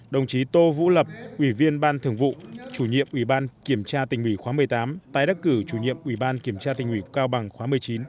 đồng chí tô vũ lập ủy viên ban thường vụ chủ nhiệm ủy ban kiểm tra tỉnh ủy khóa một mươi tám tái đắc cử chủ nhiệm ủy ban kiểm tra tỉnh ủy cao bằng khóa một mươi chín